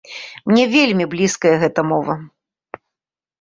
Мне вельмі блізкая гэтая мова.